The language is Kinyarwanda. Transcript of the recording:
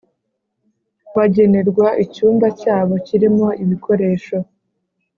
bagenerwa icyumba cyabo kirimo ibikoresho